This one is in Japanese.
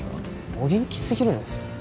お元気すぎるんですよ